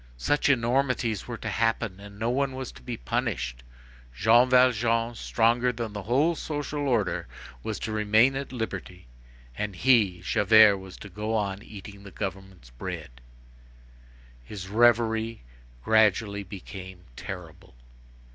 such enormities were to happen and no one was to be punished! Jean Valjean, stronger than the whole social order, was to remain at liberty, and he, Javert, was to go on eating the government's bread! His reverie gradually became terrible.